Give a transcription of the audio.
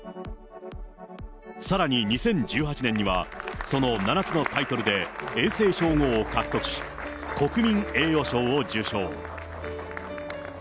さらに、２０１８年には、その七つのタイトルで永世称号を獲得し、国民栄誉賞を受賞。